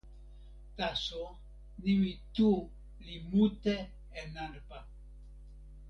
taso nimi "tu" li mute e nanpa.